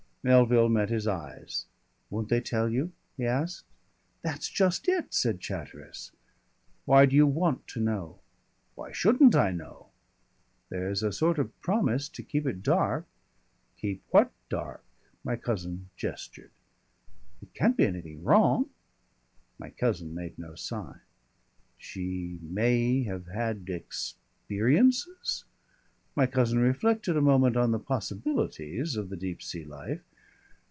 Melville met his eyes. "Won't they tell you?" he asked. "That's just it," said Chatteris. "Why do you want to know?" "Why shouldn't I know?" "There's a sort of promise to keep it dark." "Keep what dark?" My cousin gestured. "It can't be anything wrong?" My cousin made no sign. "She may have had experiences?" My cousin reflected a moment on the possibilities of the deep sea life.